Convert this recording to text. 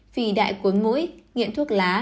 phì đại cuốn mũi nghiện thuốc lá